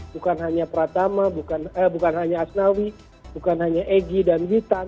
bukan hanya pratama bukan hanya asnawi bukan hanya egy dan witan